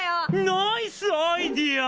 ナイスアイデア！